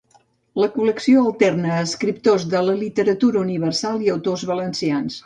La col·lecció alterna escriptors de la literatura universal i autors valencians.